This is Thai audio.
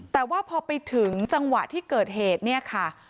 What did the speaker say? แต่ว่าพอไปถึงจังหวะที่เกิดเหตุเนี่ยค่ะ